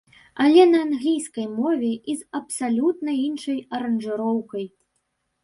Але на англійскай мове і з абсалютна іншай аранжыроўкай!